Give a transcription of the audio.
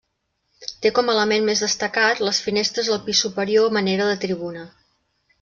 Té com a element més destacat les finestres al pis superior a manera de tribuna.